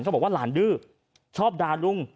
เขาบอกว่าหลานดื้อชอบดารุ่ง